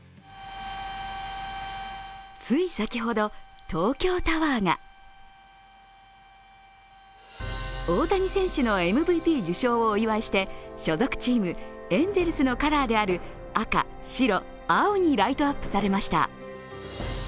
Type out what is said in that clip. つい先ほど、東京タワーが大谷選手のＭＶＰ受賞をお祝いして所属チーム、エンゼルスのカラーである赤・白・青にライトアップされました。